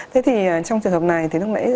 thế thì trong trường hợp này thì lúc nãy